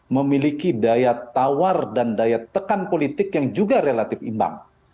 memiliki daya tawar dan daya tekan politik yang juga relatif imbang